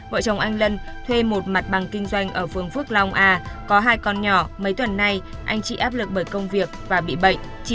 vợ chồng anh lân thuê một mặt bằng kinh doanh ở phương phước long a có hai con nhỏ mấy tuần nay anh chịu áp lực bởi công việc và bị bệnh